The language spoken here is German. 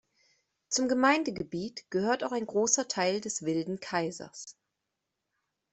Zum Gemeindegebiet gehört auch ein großer Teil des Wilden Kaisers.